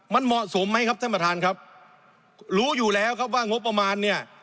มันเหมาะสมไหมครับท่านประธานครับรู้อยู่แล้วครับว่างบประมาณเนี่ย